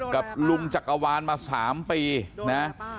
กับลุงจักรวาลมา๓ปีนะ